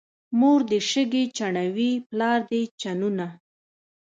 مور دې شګې چڼوي، پلار دې چنونه.